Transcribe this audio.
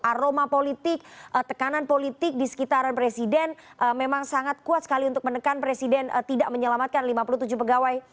aroma politik tekanan politik di sekitaran presiden memang sangat kuat sekali untuk menekan presiden tidak menyelamatkan lima puluh tujuh pegawai